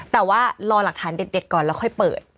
แต่ว่ารอหลักฐานเด็ดก่อนแล้วค่อยเปิด